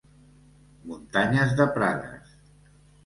Muntanyes de Prades.